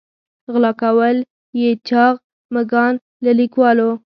غلا کول یې چاغ مږان له کلیوالو.